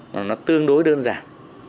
nó tương đối đơn giản